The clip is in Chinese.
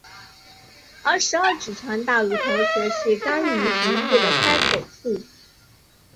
而十二指肠大乳头则是肝胰壶腹的开口处。